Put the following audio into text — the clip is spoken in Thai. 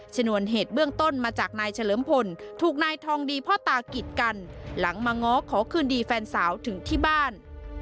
ชนวนเหตุเบื้องต้นมาจากนายเฉลิมพลถูกนายทองดีพ่อตากิดกันหลังมาง้อขอคืนดีแฟนสาวถึงที่บ้าน